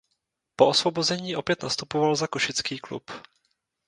Po osvobození opět nastupoval za košický klub.